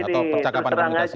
atau percakapan komunikasi